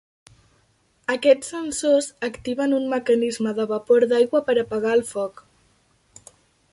Aquests sensors activen un mecanisme de vapor d'aigua per apagar el foc.